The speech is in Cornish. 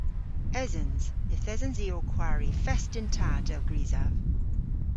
Esens. Yth esens i ow kwari fest yn ta, dell grysav.